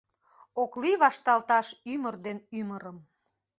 Ок лий вашталташ ӱмыр ден ӱмырым.